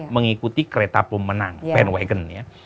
mengikuti kereta pemenang bandwagon